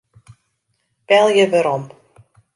Belje werom.